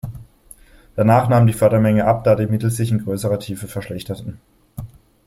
Danach nahm die Fördermenge ab, da die Mittel sich in größerer Tiefe verschlechterten.